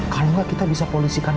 kalau enggak kita bisa polisikan